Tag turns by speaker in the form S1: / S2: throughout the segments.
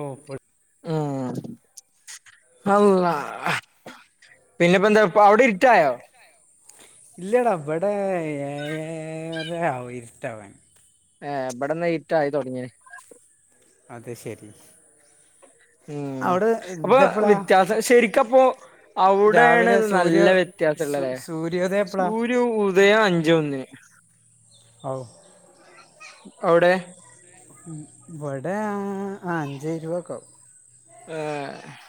S1: ഓ പ
S2: ആഹ് അല്ലാഹ് പിന്നെപ്പോന്താ അവിടെ ഇര്ട്ടായോ
S1: ഇല്ലടാ ഇവിടെ ഏയാരാ ആവും ഇരുട്ടാവാൻ.
S2: ഏ ഇബടെ ന്ന ഇരുട്ടായി തുടങ്ങിണ്
S1: അത് ശരി
S2: ഉം
S1: അവിടെ
S2: അപ്പൊ
S1: ഇതെപ്പളാ
S2: വ്യത്യാസം ശരിക്കപ്പോ അവിടെയാണ്
S1: രാവിലെ സൂര്യ
S2: നല്ല
S1: സു-
S2: വ്യത്യാസംള്ളല്ലേ
S1: സൂര്യോദയം എപ്പളാ
S2: സൂര്യ ഉദയം അഞ്ച് ഒന്ന്
S1: [unintelligible]
S2: അവിടെ
S1: ഇഹ് ഇവിടെ അ അഞ്ച് ഇരുപത് ഒക്കെ ആവും
S2: ആഹ് ആഹ്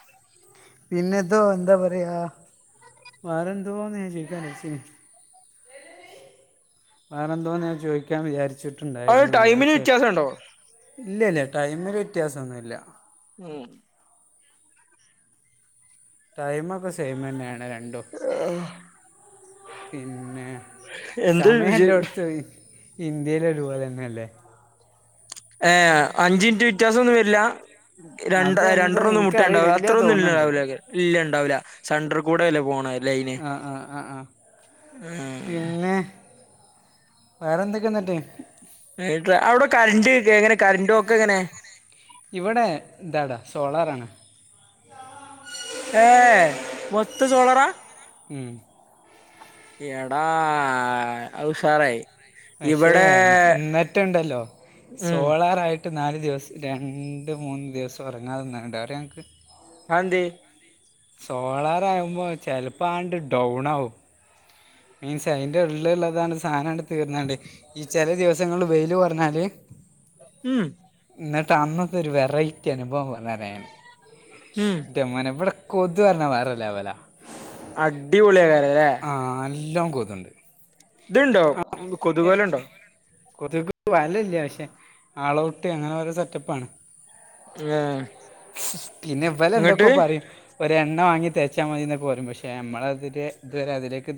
S1: പിന്നെത്തോ എന്താ പറയാ വേറെന്തോവാന്ന് ചോയ്ക്കാൻ വിചാ [unintelligible] വേറെന്തോന്ന് ഞാൻ ചോയ്ക്കാൻ വിചാരിച്ചി
S2: അവിടെ ടൈമിന് വ്യത്യാസൊണ്ടോ
S1: ഇല്ല ഇല്ല ടൈമില് വ്യത്യാസമൊന്നുല്ല
S2: ഉം
S1: ടൈമൊക്കെ സെയിമുതന്നെയാണ് രണ്ടും പിന്നെ
S2: എന്ത്
S1: സമയ എല്ലാം എടുത്തു പോയി ഇന്ത്യല് ഒരുപോലന്നേ അല്ലേ
S2: ഏഹ് അഞ്ചിനിറ്റ് വ്യത്യാസൊന്നും വരില്ല ര രണ്ടര
S1: അതെന്തോ
S2: രണ്ടൊന്നും
S1: എനിക്കറിയില്ല
S2: മുട്ടയുണ്ടാവും അത്രയൊന്നും ഇല്ല
S1: തോന്നുന്നുണ്ട്
S2: രാവിലെ ഒക്കെ ഇല്ല ഉണ്ടാവൂല സെട്രാ ർകൂടെ അല്ലേ പോണാത
S1: ആഹ് ആഹ് ആഹ്
S2: ലൈന്
S1: പിന്നെ വേറെ എന്തൊക്കെന്നിട്ട്
S2: വീട്ടില അവിടെ കറണ്ട് ക്കെ എങ്ങനെ കറന്റുപോക്കെങ്ങനെ
S1: ഇവിടെ ഇതാടാ സോളാറാണ്
S2: ഏഹ് മൊത്തം സോളാറാ
S1: ഉം
S2: എടാ അത് ഉഷാറായി
S1: പക്ഷേ
S2: ഇവിടെ
S1: ഇന്നട്ടൊണ്ടല്ലോ
S2: ഉം
S1: സോളാറ [unintelligible] മ നാല് ദിവസം നാല് ദിവസ രണ്ട് മൂന്ന് ദിവസം ഉറങ്ങാതെന്നണ്ട് അറിയോ ഞങ്ങക്ക്
S2: അത് എന്തേയ്‌
S1: സോളാറാകുമ്പോ ചെലപ്പോ ആണ്ട് ഡൗണാവും മീൻസ് അതിന്റെ ഉള്ളിലുള്ളതാണ് സാധനങ്ങൊട് തീർന്നണ്ട് ഈ ചില ദിവസങ്ങളില് വെയില് കുറഞാല്
S2: ഉം
S1: ന്നിട്ട് അന്നത്തെ ഒരു വെറൈറ്റി അനുഭവം പറയാന്
S2: ഇം
S1: മനെ ഇവിടെ കൊതു പറഞ്ഞാ വേറലവല
S2: അടിപൊളിയ് ക്കാര്യം ലേ
S1: ആ നാല്ലൊ കൊതുണ്ട്
S2: ഇത്ണ്ടോ
S1: കൊതു വല ഇല്ല പക്ഷെ ആളഔട്ട് അങ്ങനെ ഒരു സെറ്റപ്പണ്
S2: ഏ
S1: പിന്നെ ഇവലെ
S2: ഇങ്ങട്ട്
S1: എന്തൊക്കെ പറയും ഒ രഎണ്ണ വാങ്ങി തേച്ചാൽ മതി എന്നൊക്കെ പോരും പക്ഷെ നമ്മളതി ഇതുവരെ അതിലേക്ക്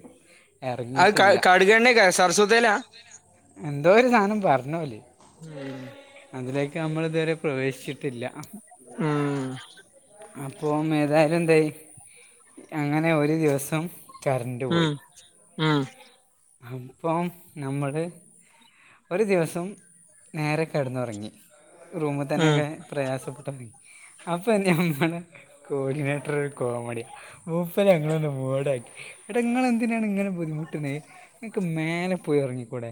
S2: അ
S1: ഇറങ്ങിയിട്ടില്ല
S2: കാടുകണ്ണെക്ക സരസ്വതയിലാ
S1: എന്തോ ഒരു സാധനം പറഞ്ഞോല്
S2: ഇം
S1: അതിലേക്ക് നമ്മൾ ഇതുവരെ പ്രവേശിച്ചിട്ടില്ല
S2: ഇം
S1: അപ്പംമേ ഏതായാലും എന്തയ് അങ്ങനെ ഒരു ദിവസം കറണ്ട് പോയി
S2: ഇംമം
S1: അപ്പം നമ്മൾ ഒരു ദിവസം നേരെ കിടന്നുറങ്ങി റൂമ
S2: ഉം
S1: തന്നെക്ക പ്രയാസപ്പെട്ടു അപ്പൊ നമ്മളെ കോർഡിനേറ്റർ ഒരു കോമഡി മൂപ്പര് അഞങ്ങളൊന്ന് മൂടാക്കി എട നിങ്ങൾ എന്തിനാണ് ഇങ്ങന ബുദ്ധിമുട്ട്ണ് എക്ക് മേലെ പോയി ഇറങ്ങിക്കൂടെ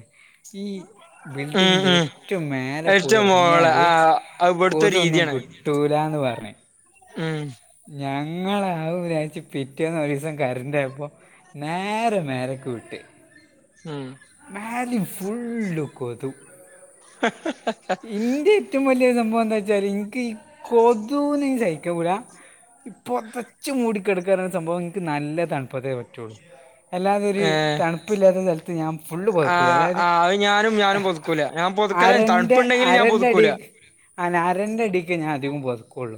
S1: ഈ
S2: ഉം
S1: ബിൽഡിങ്ങിന്റെ
S2: ഉം
S1: ഏറ്റവും മേലേ
S2: ഏറ്റ
S1: പോയി
S2: മോളെ
S1: ഉറങ്ങിയാല്
S2: ആ അത് ഇവിടുത്തെ
S1: കൊതൊന്നും
S2: രീതിയാണ്
S1: കത്തുലന്ന് പറഞ്ഞേ
S2: ഉം
S1: ഞങ്ങള ആ വിരാച്ച പിറ്റേന്ന് ഒരു ദിവസം കരണ്ടോയപ്പോ നേരെ മേലക് വിട്ട്
S2: ഉം
S1: മാലിം ഫുൾകെ തു
S2: ആഹ ഹ
S1: എന്റെ ഏറ്റവും വലിയ സംഭവം എന്താ വച്ചാൽ എനിക്ക് ഈ കൊതുന സഹി കൂല ഇപ്പൊ പെതച്ച് മൂടിക്കിടക്കണ് സംഭവം എനിക്ക് നല്ല തണുപ്പത്തയേ പറ്റുള്ളൂ അല്ലാതെൊരു
S2: ഏ
S1: തണുപ്പില്ലാത്ത സ്ഥലത്ത് ഞാൻ ഫുള്ള് പെത ക്കൂല അതായത്
S2: പൊതുകില്ല തണുപ്പ് ഇണ്ട ങ്കിൽ
S1: അരന്റെ അടി അന അരന്റെറെ അടിക്ക് ഞാൻ അധികം പോത ക്കൊളു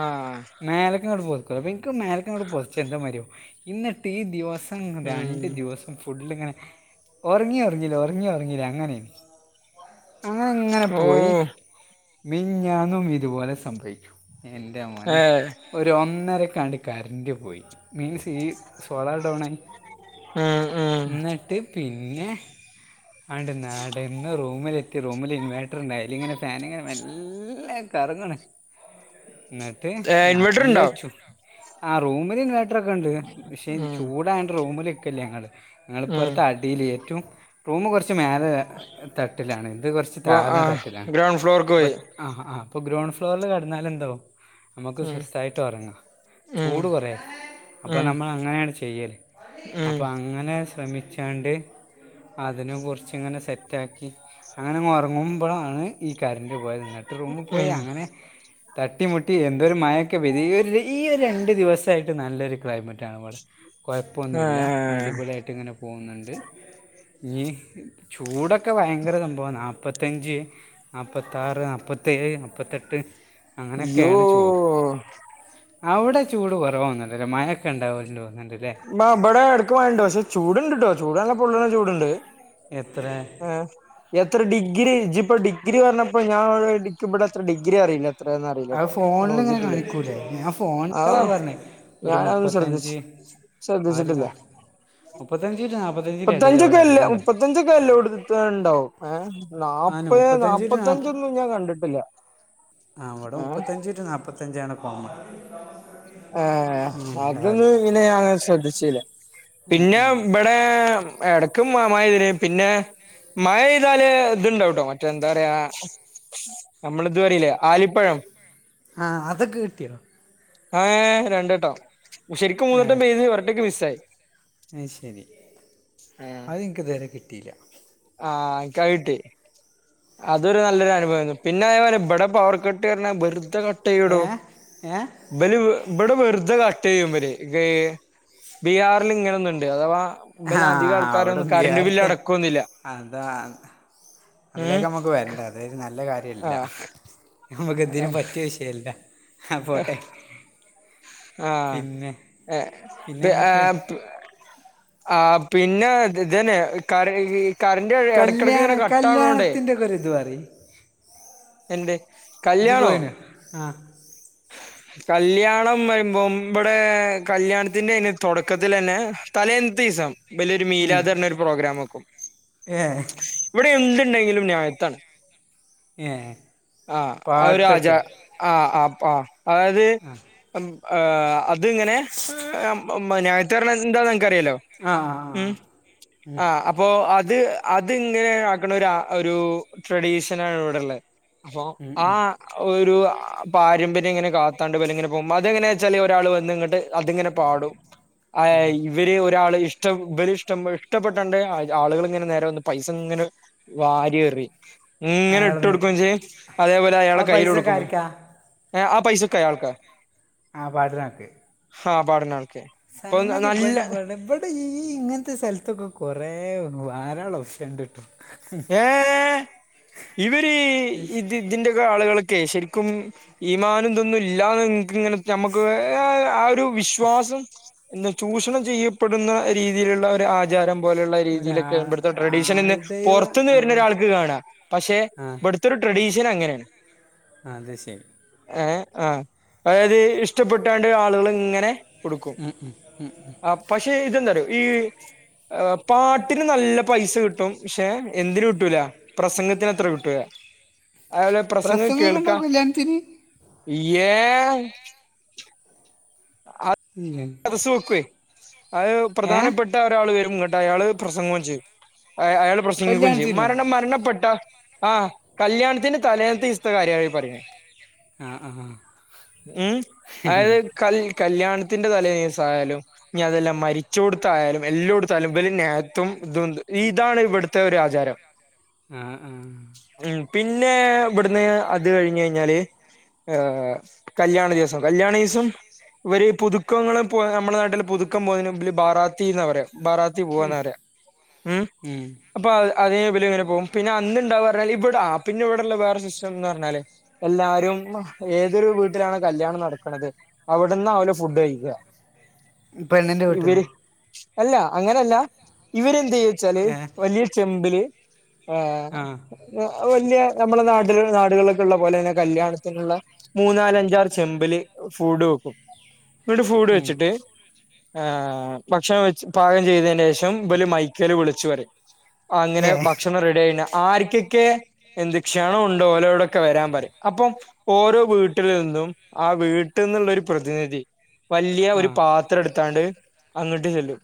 S2: ആഹ
S1: മേലക് പോത ച്ച മേലക് പോതച്ചാൽഎന്തോ മതിരിയാവും ഇന്ന്ട്ട് ദിവസം മം
S2: ഉം
S1: രണ്ട്ദിവസം ഫുൾങ്ങനെ ഒറങ്ങി ഒറങ്ങില്ല ഒറങ്ങി ഒറങ്ങില്ല അങ്ങനെയു നു അങ്ങനെ ഇങ്ങനെ
S2: ഓ
S1: പോയി മിഞ്ഞാന്നും ഇതുപോലെ സംഭവിക്കു എന്റെമോനെ
S2: ഏഹ്
S1: ഒ രുഒന്നരക്കാണ്ട് കരന്റ് പോയി മീൻസ് ഈ സോളാർ ഡൗൺ ആയി
S2: ഉം ഉം
S1: എന്നിട്ട് പിന്നെ അണ്ട് നടന്ന് റൂമിലെത്തി റൂമിൽ ഇൻവേട്ട് ഇന്നയ്ൽ ഇങ്ങനെ ഫാനിങ്ങനെ മെല്ല കറങ്ങാണ് എന്നിട്ട്
S2: ഏഹ് ഇൻവെർട്ടർ
S1: നല്ല
S2: ഉണ്ടോ
S1: ചു ആ റൂമില് ഇൻവേട്ടർ ഒക്കെ ഉണ്ട് പക്ഷേ
S2: ഉം
S1: ചൂടായ റൂമില് ഇക്കലില്ല ങ്ങള് ഞങ്ങളി
S2: ഉം
S1: ഇപ്പറത്തെ അടിൽ ഏറ്റവും റൂമ് കുറച്ച് മേലെ തട്ടിലാണ് ഇത് കുറച്ച്
S2: അപ്പൊ
S1: താന്ന
S2: ആഹ്
S1: തട്ടിലാണ്
S2: ഗ്രൗണ്ട് ഫ്ലോർക്ക് പോയി
S1: ബാത്ത് ആ ആ് അപ്പൊ ഗ്രൗണ്ട് ഫ്ലോറിൽകടന്നാൽ എന്താവും നമുക്ക്
S2: ഉം
S1: സ്വസ്ഥായിട്ട് ഉറങ്ങാം
S2: ഉം
S1: ചൂട് കുറയാ അപ്പോൾ
S2: ഉം
S1: നമ്മൾ അങ്ങനെയാണ് ചെയ്യല്
S2: ഉം
S1: അപ്പോം അങ്ങനെ ശ്രമിച്ചാണ്ട് അതിനെ കുറിച്ച് ഇങ്ങനെ സെറ്റ് റ്റാക്കി അങ്ങനെ ഉറങ്ങുമ്പോഴാണ് ഈ കറൻറ് പോയത് ഇനട്ട് റൂമിൽ പോയി
S2: ഉം
S1: അങ്ങനെ തട്ടിമുട്ടി എന്തോ ഒരു മഴൊക്കെ പെയതി ഈ ഒരു രണ്ടു ദിവസായിട്ട് നല്ലൊരു ക്ലൈമറ്റ് [unintelligible] കൊഴപ്പൊന്നുല്ല
S2: ഏഹ്
S1: അടിപൊളിയായിട്ട് ഇങ്ങനെ പോകുന്നുണ്ട്. ഇനി ചൂടൊക്കെ ഭയങ്കര സംഭവ മുപ്പത്തഞ്ച്, നാപ്പത്താറ്, നപ്പത്തേഴ്, മുപ്പത്തെട്ട്
S2: യ്യോ
S1: അങ്ങനൊക്കാണ് ചൂട്. അവ്ടെ ചൂട് കുറവാതോന്നുല്ലേ മയൊക്കെ ഉണ്ടാവന്നുണ്ട്ല്ലേ
S2: ന്നാ ബ്ട എട്ക്ക് മഴണ്ട് പക്ഷെ ചൂടുണ്ട്ട്ടോ ചൂട് നല്ല പൊള്ളണ ചൂടുണ്ട്
S1: എത്രെ?
S2: എത്ര ഡിഗ്രി? ഇജിപ്പോ ഡിഗ്രി പറഞ്ഞപ്പോ ഞാൻവിടെ എക്കുമ്പടെ എത്ര ഡിഗ്രി ആന്ന് അറിയില്ല. അത്ര
S1: അത്
S2: അറിയില്ലട്ടോ. ഒന്നു
S1: ഫോണിൽ ഇങ്ങനെ
S2: നോക്കിട്ട് വിളി.
S1: കാണിക്കൂലേ ഞാൻ
S2: ആ
S1: ഫോണിലതാ പറഞ്ഞേ ഒരു
S2: ഞാനതൊന്ന് ശ്രദ്ധിച്ചു
S1: മുപ്പത്തഞ്ച് അതല്ല
S2: ശ്രദ്ധിച്ചിട്ടില്ല.
S1: മുപ്പത്തഞ്ച് ടു നാൽപ്പത്തഞ്ചിൻ്റെ ഇടയിൽ അവിടെ
S2: മുപ്പത്തഞ്ചക്കല്ലേ
S1: അധികം ഉണ്ട്
S2: മുപ്പത്തഞ്ച ഇതല്ലോട്തു ഇത്രണ്ടാവും ഏ
S1: ആണ്
S2: നാപ്പെ
S1: മുപ്പത്തഞ്ച്
S2: നാല്പ്പത്തഞ്ചൊന്നും ഞാൻ കണ്ടിട്ടില്ല.
S1: അവിടെ
S2: ഏഹ്
S1: മുപ്പത്തഞ്ച് ടു നാപ്പത്തഞ്ചാണ് കോമൺ [inaudible]
S2: ആഹ്
S1: ഉണ്ടാവല്
S2: അതൊന്നും ങ്ങിനെ ഞാൻ ശ്രദ്ധിച്ചില്ല.
S1: ഉം,
S2: പിന്നെ
S1: ഉം.
S2: ബ്ടെ എടക്കും മയ പെയ്തിന് പിന്നെ മഴെയ്താല് ഇതുണ്ടാകട്ടോ മറ്റേ എന്താ പറയാ നമ്മള്തുപറീല്ലേ ആലിപ്പഴം
S1: ആ അതൊക്ക കിട്ട്യോ?
S2: ഏയ് രണ്ടട്ടം. ശരിക്കും മൂന്നട്ടം പെയ്ത് ഒരട്ടക്ക് മിസ്സായി
S1: ആയെ ശെരി അത്ഞങക്ക്തരെ കിട്ടീല്ല
S2: ആഹ് [unintelligible] അതൊരു നല്ലൊരനുഭവാരുന്നു. പിന്നെ ഇവിടെ പവർ കട്ട് വരാണെ വെറ്തെ കട്ട്
S1: ഏഹ് ഏഹ്
S2: ഇവല് വ്ടെ വെറുതെ കട്ട് ചെയ്യും ഇവല് ബീഹാറിൽ ഇങ്ങനൊന്ന്‌ണ്ട് അഥവാ ഇബല് അധികം
S1: ആഹ് അവിട
S2: ആൾക്കാരൊന്നും കറണ്ട് ബില്ല്
S1: ബീയർത്തെ
S2: അടക്കൊന്നുല്ല
S1: അതാ
S2: ഉം
S1: അതിലേക്ക നമ്മക്ക് വരണ്ടേ അതൊരു നല്ല കാര്യല്ല.
S2: ആഹ്
S1: നമുക്ക് ഇതിന് പറ്റിയ വിഷയല്ല. ആ പോട്ടെ പിന്നെ പിന്നെ എന്തൊക്കെ
S2: [unintelligible] ആ പിന്നെ ഇതന്നെ കറി കറൻഡ് ഇടക്കിടക്ക്
S1: കല്യാണ
S2: ഇങ്ങനെ കട്ട് ആവണോണ്ടേ
S1: കല്യാണത്തിൻ്റെ ഒക്കെ ഒരിത് പറയ്
S2: എന്റെ
S1: ഇജ്ജ്
S2: കല്യാണോ
S1: പോയിനോ ആ
S2: കല്യാ ളം വരുമ്പോ. ഇവ്‌ടെ കല്യാണത്തിന്റെ തുടക്കത്തിലന്നെ തലേന്ന്ത്തിസം വലിയൊരു
S1: ഉം
S2: മീലാദ്ന്നർഞ്ഞ ഒരു പ്രോഗ്രാമെക്കും.
S1: ഏ
S2: ഇവിടെ എന്തുണ്ടെങ്കിലും ന്യായത്താണ്.
S1: ഏ
S2: ആഹ് അതൊചാ
S1: പാട്ടൊക്കെ
S2: ആഹ് ആപ്പാ അതായത് അത്ങ്ങനെ ന്യായത്ത്ന്നർഞ്ഞ എന്താനെക്കറിയാല്ലോ
S1: ആ ആ ആ
S2: ഉം
S1: ഉം
S2: ആഹ് അ അപ്പോ അത് അതിങ്ങനെ ആക്കണ ഒരു ട്രഡീഷനാണ് ഇവിടോളെ അപ്പൊ
S1: ഉം
S2: ആ
S1: ഉം
S2: ഒരു പാരമ്പര്യം ഇങ്ങനെ കാത്താണ്ട് വെല്ങ്ങനെ [unintelligible] വെച്ചാല് ഒരാൾ വന്ന്‌ ഇങ്ങട് അതിങ്ങനെ പാടും. ഇവര് ഒ ഒരാള് ഇഷ്ടം ബലിഷ്ടം ഇഷ്ടപ്പെട്ടണ്ട് ആളുകൾ ഇങ്ങനെ നേരെ വന്ന് പൈസ ഇങ്ങനെ വാരിയെറി ഇങ്ങനെ
S1: അയാൾ
S2: ഇട്ട്
S1: മരി
S2: കൊടുക്കുചെയ്യും അതേപോലെ
S1: ആ
S2: അയാൾടെ കൈൽ
S1: പൈസ ഒക്കെ
S2: കൊടുക്കുമ്പോ
S1: ആർക്കാ
S2: ആ പൈസൊക്കെ അയാൾക്കാ
S1: ആ പാടിനക്ക്
S2: ആഹ് പഠനൊക്കെ
S1: സംഗതി ബടബട ബ ഈ ഇങ്ങൻത്തെ സ്ഥലത്തൊക്കെ കൊറേ വാരാള്ളെ ഒപ്ഷനിണ്ടിട്ടൊ
S2: ഏഹ് ഇവരീ ഇത് ഇതിന്റെക്കെ ആളുകൾക്കെ ശരിക്കും ഈമാനും ഇതൊന്നും ഇല്ലാ ഇങ്ങനെ ഞമക്ക് ആ ഒരു വിശ്വാസം [unintelligible] ചൂഷണം ചെയ്യപ്പെടുന്ന രീതിയിലുള്ള ഒരു ആചാരം. പോലുള്ള
S1: ഒരാ
S2: രീതിയിലൊക്കെ ഇവിടുത്തെ ട്രഡീഷൻന്ന്
S1: ആൾദയോ
S2: പുറത്തുനിന്ന്
S1: ആ
S2: വരുന്ന ഒരാൾക്ക് കാണാം പക്ഷെ
S1: ആ
S2: ഇവിടെത്തെ ഒരു ട്രഡീഷൻ അങ്ങനെയാണ്.
S1: അത് ശെരി.
S2: ഏഹ് ആഹ് അതായത് ഇഷ്ടപ്പെട്ടാണ്ട് ആളുകൾ ഇങ്ങനെ കൊടുക്കും ആ പക്ഷെ ഇതെന്തറിയോ ഈ പാട്ടിന് നല്ല പൈസ കിട്ടും. പക്ഷെ എന്തിന് കിട്ടൂല പ്രസംഗത്തിന് അത്ര കിട്ടൂല. അലെ പ്രസംഗം
S1: പ്രസംഗമൊക്കെ
S2: കേൾക്ക
S1: ഉണ്ടാവും കല്യാണത്തിന്
S2: ഉയ്യേ ആ
S1: ഏയ്
S2: സ് വെക്കുയ് അത് പ്രധാനപ്പെട്ട ഒരാൾ വരും നിട്ട് അയാള് പ്രസംഗവും ചെയ്യും. അയാൾ പ്രസംഗിക്കും ചെയ്യും
S1: കല്യാണത്തിനോ
S2: മരണം മരണപ്പെട്ടാ ആഹ് കല്യാണത്തിന് തലേന്നത്തെ ഇസ്ത്തെ കാര്യവാ പറയണേ
S1: ആ ആ ആ
S2: ഉം അതത് കല് കല്യാണ ത്തിന്റെ തലേസായാലും ഇനി അതെല്ലാം മരിച്ചൊടുത്തായാലും എല്ലോ ടുത്തായാലും ഇവരെന്നെ തും തുണ്ട്. ഇതാണ് ഇവിടുത്തെ ഒരു ആചാരം
S1: മം മം
S2: ഉം പിന്നെ ഇവിടുന്ന് അത് കഴിഞ്ഞ് കഴിഞ്ഞാല് ഹ് കല്യാണ ദിവസം കല്യണീസം ഇവര് പുതുക്ക പുക്കങ്ങൾ നമ്മുടെ നാട്ടിൽ പുതുക്കം പോകതിനന് ബറാത്തി എന്ന് പറ ബാറ ത്തി പോവന്നറിയ ഉം അപ്പൊ അതേതില് ഇങ്ങനെ പോവും പിന്നെ അന്ന് എന്താന്ന് പറഞ്ഞാൽ ഇവിടെ ആ പിന്നെ ഇവിടെള്ള വേറെ സിസ്റ്റം എന്ന് പറഞ്ഞാൽ എല്ലാരും ഏതൊരു വീട്ടിലാണ് കല്യാണം നടക്കണുന്നത് അവിടുന്ന് ആവൂല ഫുഡ് കഴി ല്ല
S1: പെണ്ണിൻ്റെ വീട്ടിൽ
S2: ഇവര്
S1: നിന്ന്
S2: അല്ല അങ്ങനല്ല ഇവരെന്ത് ചെയ്യും വച്ചാല്
S1: ഏ
S2: വലിയ ചെമ്പില് ആഹ്
S1: ആ
S2: വലിയ നമ്മളെ നാട്ട നാടുകൾക്കുള്ള പോലെ തന്നെ കല്യാണത്തിനുള്ള മൂന്നാല് അഞ്ചാറ് ചെമ്പില് ഫൂഡ് വെക്കും. എന്നീട്ട് ഫൂഡ്
S1: ഉം.
S2: വെച്ചിട്ട് ഏ ഭക്ഷണം വെ പാകം ചെയ്തതിന് ശേഷം ഇവല് മൈക്കല് വിളിച്ചു പറയും അങ്ങനെ
S1: ഏ
S2: ഭക്ഷണം റെഡി ആയിന ആർക്കൊക്കെ എന്ത് ക്ഷണം ഉണ്ടോ ഓലോടൊക്കെ വരാൻ പറയും അപ്പം ഓരോ വീട്ടിൽ നിന്നും ആ വീട്ടിൽന്ന് ഇള്ള ഒരു പ്രതിനിധി വലിയ
S1: ആ
S2: ഒരു പാത്രം എടുത്താണ്ട് അങ്ങോട്ട് ചെല്ലും.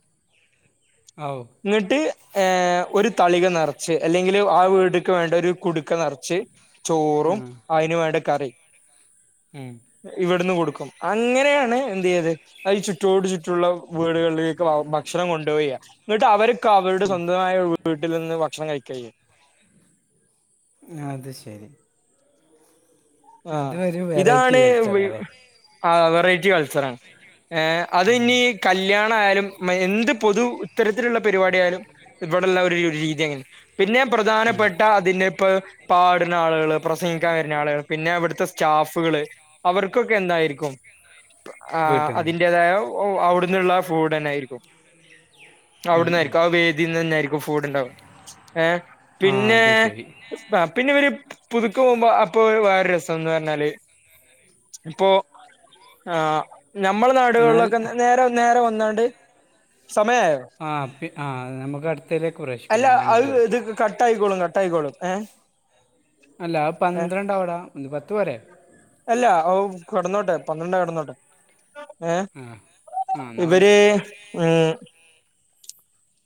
S1: ആവൂ
S2: ഇങ്ങിട്ട് ഏഹ ഒരു തളിക നിറച്ച് അല്ലെങ്കിൽ ആഹ് വീട്ടക്ക് വേണ്ട ഒരു കുടുക്ക നിറച്ച്
S1: ആ
S2: ചോറും
S1: ഉം.
S2: അതിനു വേണ്ട കറിയും
S1: ഉം
S2: ഇവിടുന്ന് കൊടുക്കും അങ്ങനെയാണ് എന്ത് ചെയ്യത് ചുറ്റോട് ചുറ്റുള്ള വീടുകളിലേക്ക് ഭക്ഷണം കൊണ്ടുവോയ്യ എന്നിട്ട് അവർക്കൊ അവരുടെ സ്വന്തമായ വീട്ടിൽ നിന്ന് ഭക്ഷണം കഴിക്കാ ചെയ്യാ
S1: അത് ശരി അത്
S2: ആഹ്
S1: ഒരു വെറൈറ്റി
S2: ഇതാണ് വീ
S1: കൾച്ചറാ അല്ലേ
S2: ആഹ് വെറൈറ്റി കൾച്ചറാണ് അത്
S1: ഉം.
S2: ഇനി കല്യാണ ആയാലും എന്ത് പൊതു ഇത്തരത്തിലുള്ള പരിപാടിയായാലും ഇവടെല്ല ഒരു രീതി അങ്ങനെ പിന്നെ
S1: ഉം.
S2: പ്രധാനപ്പെട്ട അതിന്റെ ഇപ്പ പാടുന്ന ആളുകൾ പ്രസംഗിക്കാൻ വരുന്ന ആളുകൾ പിന്നെ അവിടുത്തെ സ്റ്റാഫുകള് അവർക്കൊക്കെ എന്തായിരിക്കും ആഹ്
S1: വീട്ടിൽ നിന്ന്
S2: അതിന്റെതായ അവിടന്നുള്ള ഫൂഡ് തന്ന ആയിരിക്കും.
S1: ഉം ഉം
S2: അവിടന്നായിരിക്കും ആ വേദിന്ന് തന്നെയായിരിക്കും ഫൂഡ് ഉണ്ടാവും ഏ
S1: ആ
S2: പിന്നെ
S1: അത് ശരി
S2: ആഹ് പിന്നെ ഇവര് പുതുക്ക പോകുമ്പോ അപ്പൊ ഇവര് വേറെ ഒരുരസന്ന് പറഞ്ഞാല് ഇപ്പൊ ആഹ് ഞമ്മളെ
S1: എന്നാൽ
S2: നാടുകളിലൊക്കെ നേരെ നേരെ വന്നക്കാണ്ട് സമയമായോ
S1: ആഹ് പി ആഹ് നമുക്ക് അടുത്തലേക്ക് പ്രവേശിക്കാം
S2: അല്ല
S1: ഞൻ അങ്ങോട്ട്
S2: അത് ഇത്
S1: വിളിക്കാം
S2: കട്ടായിക്കോളും കട്ടായിക്കോളും ഏഹ്
S1: അല്ല അത് പന്ത്രണ്ട് അവിട പത്ത് പോരെ
S2: അല്ല ഓ കിടന്നോട്ടെ പന്ത്രണ്ട കിടന്നോട്ടെ ഏഹ്
S1: ആ ആ എന്നാ പറഞ്ഞു
S2: ഇവര് ഉം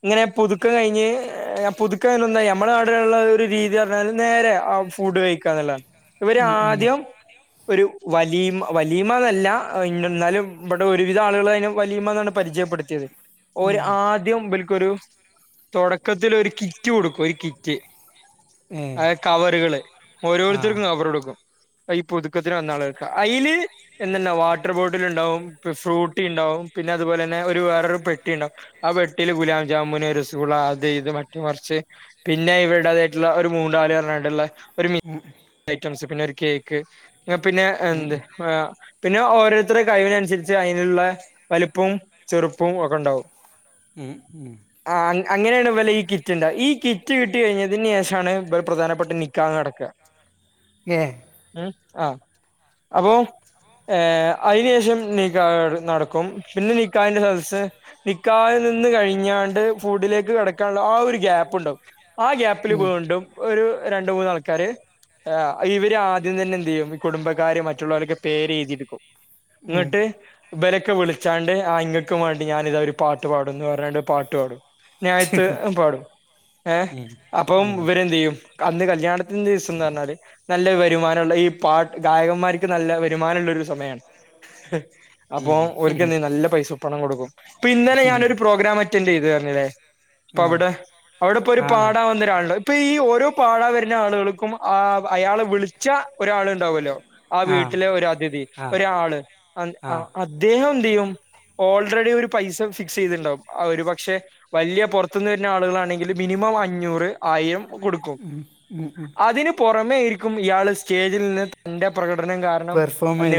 S2: ഇങ്ങനെ പുതുക്കം കഴിഞ്ഞ് പുതു നമ്മുടെ അവിടെ ഉള്ള ഒരു രീതി പറഞ്ഞാല് നേരെ ആഹ് ഫുഡ് കഴിക്കാന്നുള്ളതാണ് ഇവര്
S1: ഉം
S2: ആദ്യം ഒരു വലിയമ്മ വലിയമ്മ എന്നല്ല എന്നാലും ഇവിടെ ഒരുവിധം ആളുകൾ അതിനെ വലിയമ്മ എന്നാണ് പരിചയപ്പെടുത്ത ത്തിയത്
S1: ഉം
S2: ഒരു
S1: ഉം
S2: ആ അതികം ഇവൾക്കൊരു ഒരു തുടക്കത്തി ഒരു കിറ്റ് കൊടുക്കും ഒരു കിറ്റ്
S1: ഏ
S2: അതെ കവറുകൾ
S1: ആ
S2: ഓരോരുത്തർക്കും കവർ കൊടുക്കും ഈ പുതുക്കത്തിന് വന്ന ആളുകൾക്ക് അതില് എന്തന്നാ വാട്ടർ ബോട്ടിൽ ഉണ്ടാവും ഫ്രൂട്ടി ഉണ്ടാവും പിന്നെ അതുപോലെ തന്നെ ഒരു വേറൊരു പെട്ടി ഉണ്ടാവും ആഹ് പെട്ടിയില് ഗുലാബ ജാമുന് രസഗുള അത് ഇത് മറ്റത് മറിച്ചെ പിന്നെ ഇവരുടേതായിട്ടുള്ള ഒരു മൂണ്ടാൾ പറഞ്ഞുകൊണ്ടുള്ള ഒരു മിന
S1: ഉം
S2: ഐറ്റംസ് പിന്നെ ഒരു കേക്ക് പിന്നെ
S1: ഉം
S2: എന്ത്
S1: ഉം. ഉം
S2: പിന്നെ ഓരോരുത്തരുടെ കഴിവിനനുസരിച്ച് അതിനുള്ള വലുപ്പം ചെറുപ്പവും ഒക്കെ ഉണ്ടാവും
S1: ഉം
S2: ആഹ് അങ്ങനെയാണ് ഇവലെ ഈ കിറ്റ് ഉണ്ടാക ഈ കിറ്റ് കിട്ടി കഴിഞ്ഞതിന് ശേഷമാണ് ഇവലെ പ്രധാനപ്പെട്ട നിക്കാഹ് നടക്കുക
S1: ഏഹ്
S2: ഉം ആഹ് അപ്പൊ ഏഹ് അതിന് ശേഷം നിക്കാഹ് നടക്കും പിന്നെ നിക്കാഹ് ന്റെ സദസ് നിക്കാഹിൽ നിന്ന് കഴിഞ്ഞ്ക്കാണ്ട് ഫുഡിലേക്ക് കടക്കാനുള്ള ആ ഒരു ഗ്യാപ്പ് ഉണ്ടാകും ആഹ് ഗ്യാപ്പിൽ
S1: ഉം
S2: വീണ്ടും ഒരു രണ്ട് മൂന്ന് ആൾക്കാര് ഇവര് ആ ദ്യം തന്നെ എന്ത് ചെയ്യും ഈ കുടുംബക്കാർ മറ്റുള്ളവരൊക്കെ പേര് എഴുതി എടുക്കും
S1: ഉം
S2: എന്നിട്ട് ഇവരൊക്കെ വിളിച്ചാണ്ട് ആഹ് ഇങ്ങൾക്ക് വേണ്ടി ഞാനിതാ ഒരു പാട്ട് പാടുന്നു പറഞ്ഞാണ്ട് പാട്ട് പാടും ഞായിത്ത് പാടും ഏഹ
S1: ഉം
S2: അപ്പ
S1: ഉം
S2: ഇവരെ എന്ത് ചെയ്യും അന്ന് കല്യാണത്തിന്റെ ദിവസം എന്ന് പറഞ്ഞാല് നല്ല വരുമാനം ഈ പാട്ട് ഗായകന്മാർക്ക് നല്ല വരുമാനമുള്ള ഒരു സമയമാണ് അപ്പൊ
S1: ഉം
S2: ഓർക്ക്
S1: ഉം
S2: എന്ത് ചെയ്യും നല്ല പൈസ നല്ല പണം കൊടുക്കും അപ്പൊ ഇന്നലെ ഞാനൊരു പ്രോഗ്രാം അറ്റൻഡ് ചെയ്തു എന്ന് പറഞ്ഞില്ലേ അപ്പ
S1: ഉം
S2: അവിടെ അവിടെ ഇപ്പൊ ഒരു
S1: ആ
S2: പാടാൻ വന്നൊരാളണ്ട് ഇപ്പ ഈ ഓരോ പാടൻ വരുന്ന ആളുകൾക്കും ആഹ് അയാള് വിളിച്ച ഒരാൾ ഉണ്ടാവല്ലോ ആഹ്
S1: ആ
S2: വീട്ടിലെ
S1: ആ
S2: ഒരു അതിഥി
S1: ആ
S2: ഒരാള്
S1: ആ
S2: അദ്ദേഹം എന്ത് ചെയ്യും ഓൾറെഡി ഒരു പൈസ ഫിക്സ് ചെയ്തിട്ടണ്ടാവും ഒരു പക്ഷെ വലിയ പുറത്തുനിന്ന് വരുന്ന ആളുകളാണെങ്കിൽ മിനിമം അഞ്ഞൂറ് ആയിരം കൊടുക്കും
S1: ഉം ഉം ഉം
S2: അതിന് പുറമെ ആയിരിക്കും ഇയാൾ സ്റ്റേജിൽ നിന്ന് തന്റെ പ്രകടനം കാര
S1: പെർഫോം ചെയ്ത്